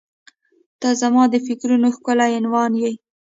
• ته زما د فکرونو ښکلی عنوان یې.